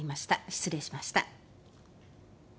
失礼しました。